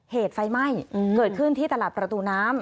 เหตุไฟไหม้เกิดขึ้นที่ตลาดประตูน้ำ